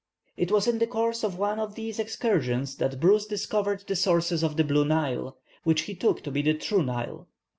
It was in the course of one of these excursions that Bruce discovered the sources of the Blue Nile, which he took to be the true Nile.